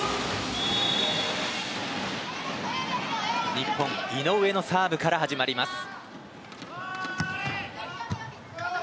日本、井上のサーブから始まりました。